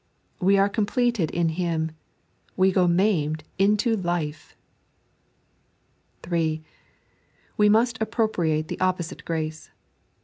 We are completed in Him. We go maimed into Lt/e I (3) We must appropriate the opposite grace.